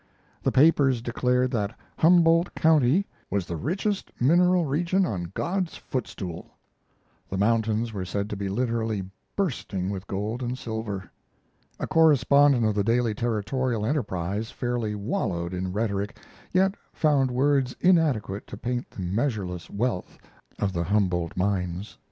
The papers declared that Humboldt County "was the richest mineral region on God's footstool." The mountains were said to be literally bursting with gold and silver. A correspondent of the daily Territorial Enterprise fairly wallowed in rhetoric, yet found words inadequate to paint the measureless wealth of the Humboldt mines.